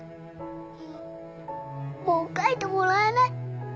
うんもう書いてもらえない。